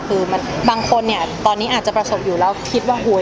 คือมันบางคนเนี่ยตอนนี้อาจจะประสบอยู่แล้วคิดว่าหวย